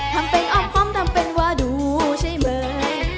ทำเป็นอ้อมทำเป็นว่าดูใช่ไหม